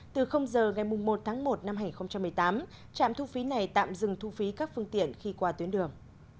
từ giờ ngày một tháng một năm hai nghìn một mươi tám trạm thu phí này tạm dừng thu phí các phương tiện khi qua tuyến đường